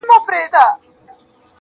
زمـــا د رسـوايـــۍ كــيســه.